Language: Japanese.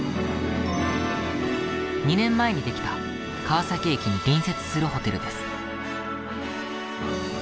２年前に出来た川崎駅に隣接するホテルです。